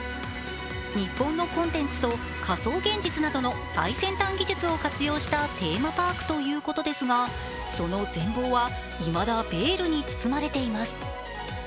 日本のコンテンツと仮想現実などの最先端技術を活用したテーマパークということですがその全貌はいまだベールに包まれています。